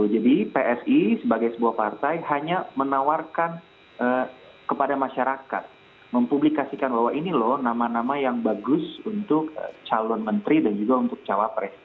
jadi psi sebagai sebuah partai hanya menawarkan kepada masyarakat mempublikasikan bahwa ini loh nama nama yang bagus untuk calon menteri dan juga untuk jawab pres